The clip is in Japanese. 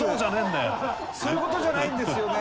そういう事じゃないんですよね。